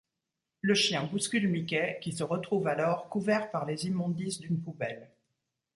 Le chien bouscule Mickey qui se retrouve alors couvert par les immondices d'une poubelle.